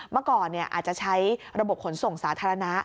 เมื่อก่อนอาจจะใช้ระบบขนส่งสาธารณะ